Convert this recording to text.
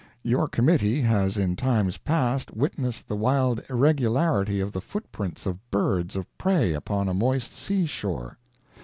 Your committee has in times past witnessed the wild irregularity of the footprints of birds of prey upon a moist sea shore.